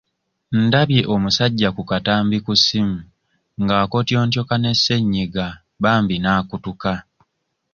Ndabye omusajja ku katambi ku ssimu ng'akotyontyoka ne sennyinga bambi n'akutuka.